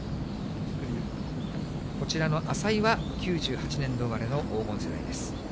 こちらの淺井は、９８年度生まれの黄金世代です。